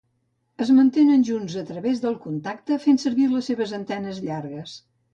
Es mantenen junts a través del contacte, fent servir les seves antenes llargues.